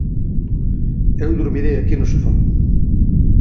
Eu durmirei aquí no sofá.